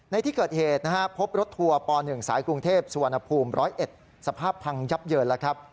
ในที่เกิดเหตุพบรถทัวร์๔ป๑สายกรุงเทพสภร้อยเอ็ดสภาพพังย็บเหยินละครับ